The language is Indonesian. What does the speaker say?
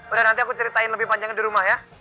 udah nanti aku ceritain lebih panjang di rumah ya